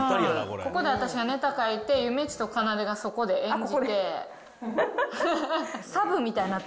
ここで私がネタ書いて、ゆめっちとかなでがそこで演じて。